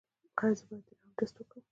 ایا زه باید د رحم ټسټ وکړم؟